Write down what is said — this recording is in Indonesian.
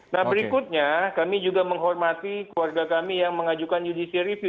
nah berikutnya kami juga menghormati keluarga kami yang mengajukan judicial review